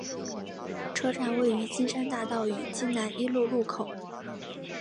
车站位于金山大道与金南一路路口。